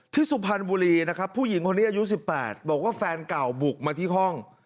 สุพรรณบุรีนะครับผู้หญิงคนนี้อายุ๑๘บอกว่าแฟนเก่าบุกมาที่ห้อง